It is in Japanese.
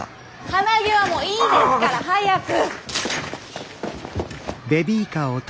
鼻毛はもういいですから早く！